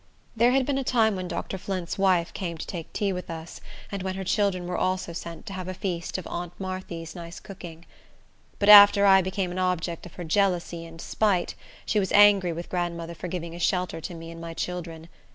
There had been a time when Dr. Flint's wife came to take tea with us, and when her children were also sent to have a feast of "Aunt Marthy's" nice cooking. But after I became an object of her jealousy and spite, she was angry with grandmother for giving a shelter to me and my children.